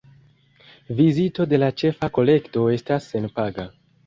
Vizito de la ĉefa kolekto estas senpaga.